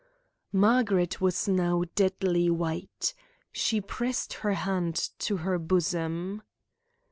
Margaret was now deadly white. She pressed her hand to her bosom.